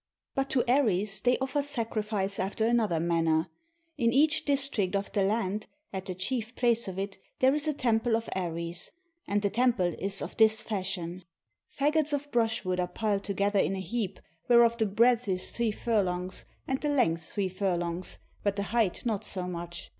But to Ares they offer sacrifice after another manner. In each district of the land, at the chief place of it, there is a temple of Ares; and the temple is of this fashion. i6 CUSTOMS OF THE SCYTHIANS Fagots of brushwood are piled together in a heap, where of the breadth is three furlongs, and the length three fur longs, but the height not so much.